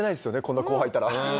こんな後輩いたら。